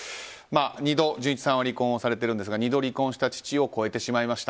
２度、純一さんは離婚をされているんですが２度離婚した父を超えてしまいました。